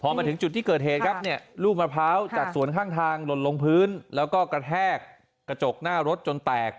พอมาถึงจุดที่เกิดเหตุครับเนี่ยลูกมะพร้าวจากสวนข้างทางหล่นลงพื้นแล้วก็กระแทกกระจกหน้ารถจนแตก